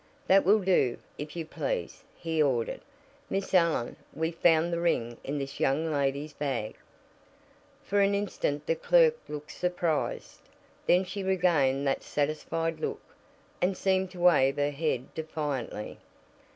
"That will do, if you please," he ordered. "Miss Allen, we found the ring in this young lady's bag." For an instant the clerk looked surprised. Then she regained that satisfied look, and seemed to wave her head defiantly.